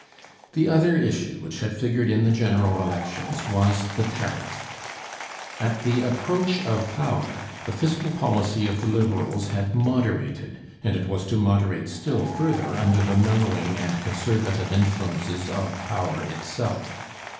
The other issue which had figured in the general elections was the tariff. At the approach of power the fiscal policy of the Liberals had moderated, and it was to moderate still further under the mellowing and conservative influences of power itself.